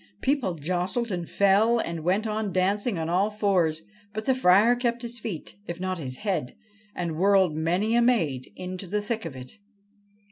People jostled and fell and went on dancing on all fours, but the Friar kept his feet, if not his head, and whirled many a maid into the thick of it.